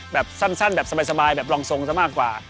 แบบสั้นแบบสบายแบบรองทรงซะมากกว่า